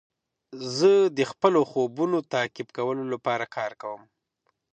زه د خپلو خوبونو تعقیب کولو لپاره کار کوم.